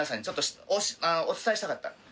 ちょっとお伝えしたかった。